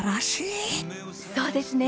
そうですね。